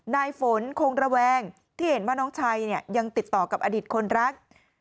นายฝนคงระแวงที่เห็นว่าน้องชายเนี่ยยังติดต่อกับอดีตคนรัก